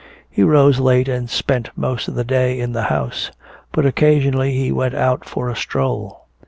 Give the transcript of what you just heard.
He rose late and spent most of the day in the house; but occasionally he went out for a stroll.